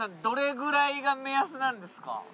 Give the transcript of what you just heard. どれくらいが目安なんですか？